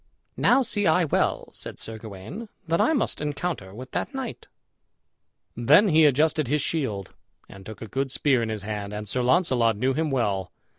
"Now see I well," said Sir Gawain, "that I must encounter with that knight." Then he adjusted his shield, and took a good spear in his hand, and Sir Launcelot knew him well.